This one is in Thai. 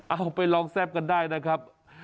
เอาไปลองแซ่บกันได้นะครับ